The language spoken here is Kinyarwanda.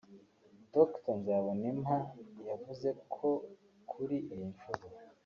Dr Nzabonimpa yavuze ko kuri iyi nshuro